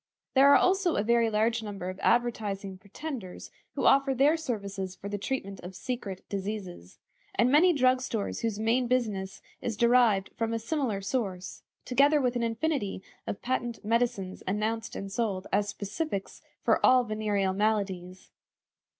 There are also a very large number of advertising pretenders who offer their services for the treatment of secret diseases; and many drug stores whose main business is derived from a similar source; together with an infinity of patent medicines announced and sold as specifics for all venereal maladies.